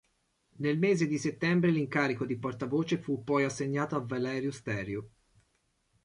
Nel mese di settembre l'incarico di portavoce fu poi assegnato a Valeriu Steriu.